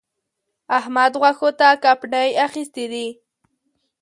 احمد؛ غوښو ته کپڼۍ اخيستی دی.